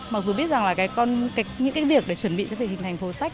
mặc dù biết rằng là những cái việc để chuẩn bị cho việc hình thành phố sách